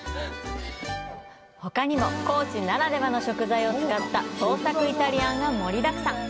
ほかにも、高知ならではの食材を使った創作イタリアンが盛りだくさん。